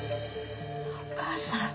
お義母さん。